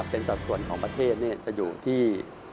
เป็นสัดส่วนของประเทศจะอยู่ที่